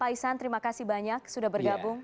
pak isan terima kasih banyak sudah bergabung